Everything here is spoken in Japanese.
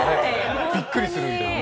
びっくりするよね。